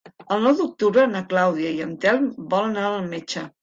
El nou d'octubre na Clàudia i en Telm volen anar al metge.